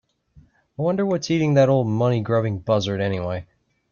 I wonder what's eating that old money grubbing buzzard anyway?